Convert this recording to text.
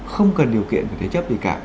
không cần điều kiện của thế chấp gì cả